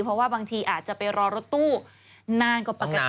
เพราะว่าบางทีอาจจะไปรอรถตู้นานกว่าปกติ